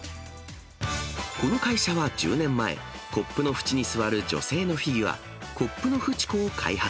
この会社は１０年前、コップの縁に座る女性のフィギュア、コップのフチ子を開発。